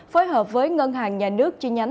phối hợp với ngân hàng nhà nước chi nhánh